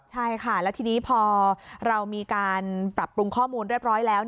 ใช่ค่ะแล้วทีนี้พอเรามีการปรับปรุงข้อมูลเรียบร้อยแล้ว